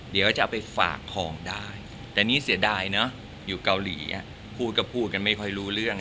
เดี๋ยวจะเอาไปฝากของได้แต่นี่เสียดายเนอะอยู่เกาหลีพูดก็พูดกันไม่ค่อยรู้เรื่อง